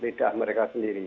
lidah mereka sendiri